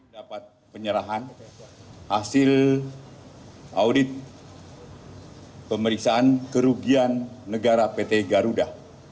dapat penyerahan hasil audit pemeriksaan kerugian negara pt garuda